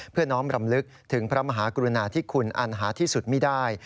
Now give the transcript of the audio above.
น้อมรำลึกถึงพระมหากรุณาที่คุณอันหาที่สุดไม่ได้